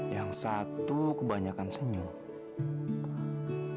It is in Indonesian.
yang satu kebanyakan senyum